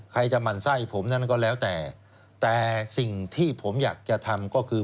ใครจะหมั่นไส้ผมนั้นก็แล้วแต่แต่สิ่งที่ผมอยากจะทำก็คือ